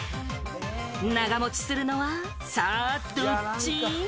長もちするのは、さぁ、どっち？